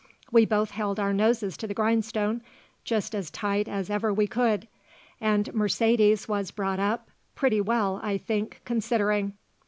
We both held our noses to the grindstone just as tight as ever we could, and Mercedes was brought up pretty well, I think, considering.